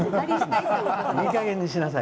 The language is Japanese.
いいかげんにしなさい。